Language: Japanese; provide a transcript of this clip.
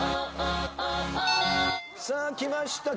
さあきました。